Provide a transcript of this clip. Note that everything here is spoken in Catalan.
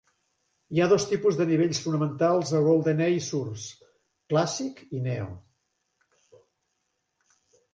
Hi ha dos tipus de nivells fonamentals a "GoldenEye: Source": "Classic" i "Neo".